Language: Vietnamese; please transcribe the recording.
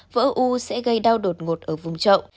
vỡ u sẽ gây đau đột ngột ở vùng trậu